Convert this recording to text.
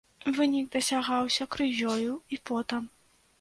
Вынік дасягаўся крывёю і потам.